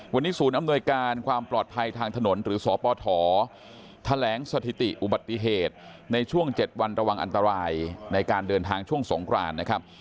วันนี้ศูนย์อำนวยการความปลอดภัยทางถนนหรือสปฐแถลงสถิติอุบัติเหตุในช่วง๗วันระวังอันตรายในการเดินทางช่วงสงครานนะครับ